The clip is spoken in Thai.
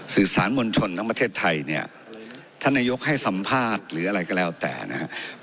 สื่อสารมวลชนทั้งประเทศไทยเนี่ยท่านนายกให้สัมภาษณ์หรืออะไรก็แล้วแต่นะครับ